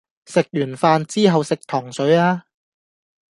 食完飯之後食糖水吖